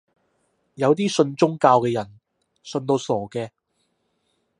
有啲信宗教嘅人信到傻嘅